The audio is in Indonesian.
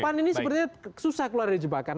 pan ini sepertinya susah keluar dari jebakan